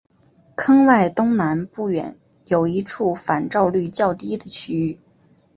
坑外东南不远有一处反照率较低的区域。